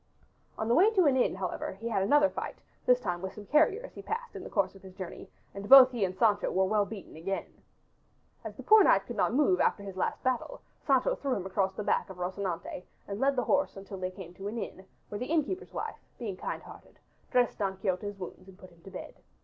On the way to an inn, however, he had another fight, this time with some carriers he passed in the course of his journey, and both he and Sancho were well beaten again. As the poor knight could not move after his last battle Sancho threw him across the back of Rocinante and led the horse until they came to an inn, where the innkeeper's wife, being kind hearted, dressed Don Quixote's wounds and put him to bed.